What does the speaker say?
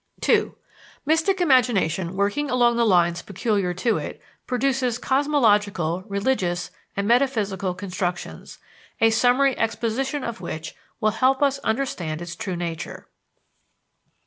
II Mystic imagination, working along the lines peculiar to it, produces cosmological, religious, and metaphysical constructions, a summary exposition of which will help us understand its true nature.